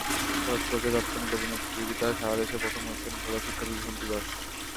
College পর্যায়ে তাৎক্ষণিক অভিনয় প্রতিযোগিতায় সারা দেশে প্রথম হয়েছেন ভোলার শিক্ষার্থী সন্তু দাস।